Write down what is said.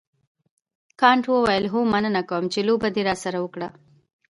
کانت وویل هو مننه کوم چې لوبه دې راسره وکړه.